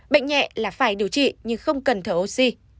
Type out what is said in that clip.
bệnh nhẹ là phải điều trị nhưng không cần thở oxy